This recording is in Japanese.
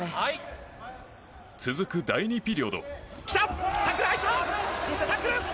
続く第２ピリオド。